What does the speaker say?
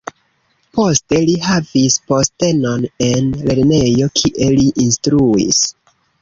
Poste li havis postenon en lernejo, kie li instruis.